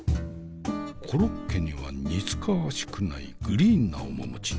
コロッケには似つかわしくないグリーンな面持ち。